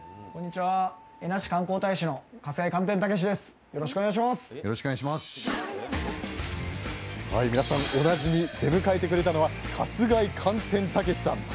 はい皆さんおなじみ出迎えてくれたのは春日井“寒天”たけしさん。